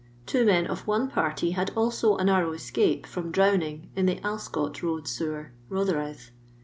.... Two men of one party had also a narrow escape from drowning in the Alscot road sewer, Rotherhithe.